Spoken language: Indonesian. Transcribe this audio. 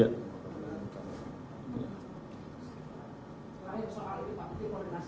apakah sudah dalam persiapan personel khusus untuk mengatasi kelas nanti